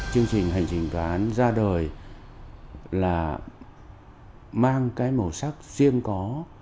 chương trình hành trình tòa án ra đời là mang cái màu sắc riêng có